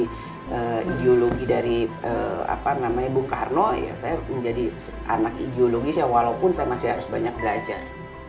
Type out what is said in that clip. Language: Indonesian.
saya yang menjadi ideologi dari bung karno saya menjadi anak ideologis walaupun saya masih harus banyak belajar